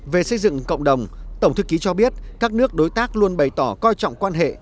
về xây dựng cộng đồng tổng thư ký cho biết các nước đối tác luôn bày tỏ coi trọng quan hệ